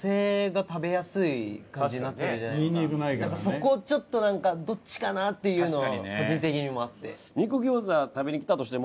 そこちょっとなんかどっちかな？っていうの個人的にもあって。